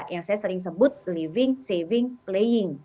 yang saya sering sebut living saving playing